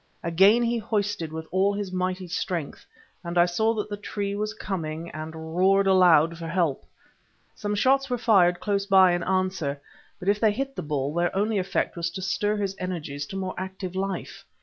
Again he hoisted with all his mighty strength, and I saw that the tree was coming, and roared aloud for help. Some shots were fired close by in answer, but if they hit the bull, their only effect was to stir his energies to more active life.